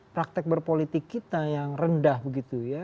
praktek berpolitik kita yang rendah begitu ya